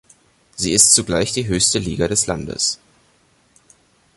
Sie ist zugleich die höchste Liga des Landes.